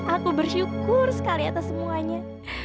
aku bersyukur sekali atas semuanya